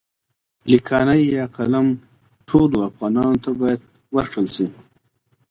لیکانی يا قلم ټولو افغانانو ته باید ورکړل شي.